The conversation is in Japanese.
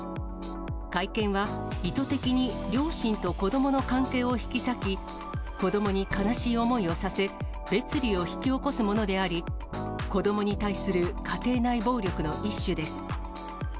会見は意図的に、両親と子どもの関係を引き裂き、子どもに悲しい思いをさせ、別離を引き起こすものであり、子どもに対する家庭内暴力の一種です。